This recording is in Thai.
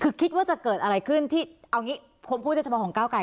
คือคิดว่าจะเกิดอะไรขึ้นที่เอางี้ผมพูดได้เฉพาะของก้าวไกร